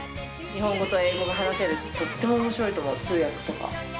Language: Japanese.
日本語と英語が話せる、とってもおもしろいと思う、通訳とか。